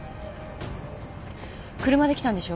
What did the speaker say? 車で来たんでしょ？